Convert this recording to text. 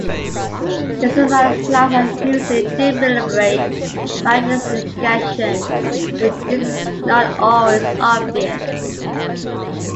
Acephalous lines are usually deliberate variations in scansion, but this is not always obvious.